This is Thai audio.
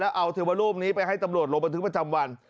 แล้วเอาเทวรูปนี้ไปให้ตำรวจลงมาถึงประจำวัน